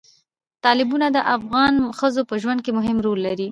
تالابونه د افغان ښځو په ژوند کې هم رول لري.